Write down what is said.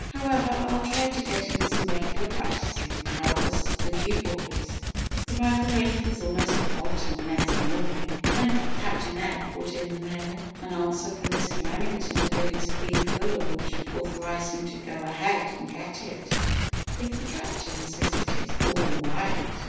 "However, I'll try to get in some regular practising hours with you boys." The rifle range was almost forgotten the next morning when Captain Ed brought in the mail. An answer from Mr. Remington to Billy's plea for the launch, authorised him to "Go ahead and get it if the Captain says it is all right!"